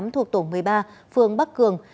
thuộc tổng một mươi ba phương bắc cường